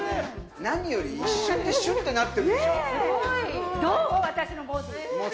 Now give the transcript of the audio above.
何より一瞬でシュッてなってるでしょ？